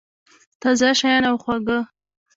تازه شیان او خواږه